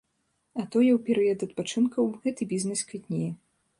А тое ў перыяд адпачынкаў гэты бізнэс квітнее.